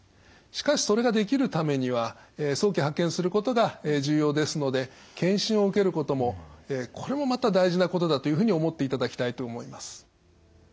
しかしそれができるためには早期発見することが重要ですので検診を受けることもこれもまた大事なことだというふうに思っていただきたいと思います。